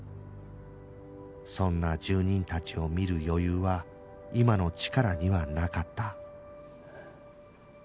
そんな住人たちを見る余裕は今のチカラにはなかった